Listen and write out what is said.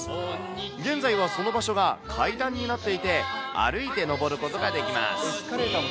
現在はその場所が階段になっていて、歩いて上ることができます。